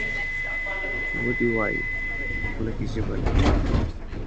ودي وایي ! په خوله کې ژبه لري .